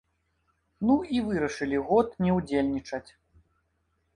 Ну і вырашылі год не ўдзельнічаць.